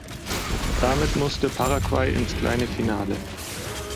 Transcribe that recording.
Damit musste Paraguay ins kleine Finale.